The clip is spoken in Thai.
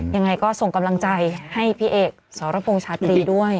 ยังไงก็ส่งกำลังใจให้พี่เอกสรพงษ์ชาตรีด้วย